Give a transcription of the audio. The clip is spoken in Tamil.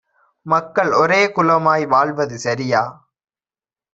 மக்கள் ஒரேகுலமாய் வாழ்வது சரியா?